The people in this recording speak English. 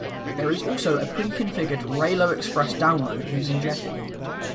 There is also a pre-configured Railo Express download using Jetty.